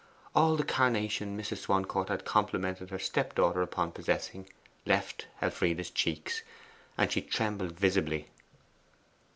All the carnation Mrs. Swancourt had complimented her step daughter upon possessing left Elfride's cheeks, and she trembled visibly.